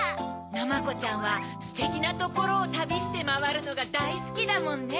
ナマコちゃんはステキなところをたびしてまわるのがだいすきだもんね。